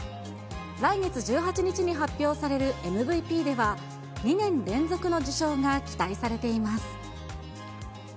来月１８日に発表されるＭＶＰでは、２年連続の受賞が期待されています。